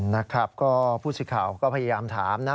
นะครับก็ผู้สิทธิ์ข่าวก็พยายามถามนะ